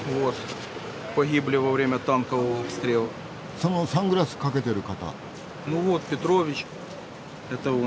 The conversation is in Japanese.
そのサングラス掛けてる方。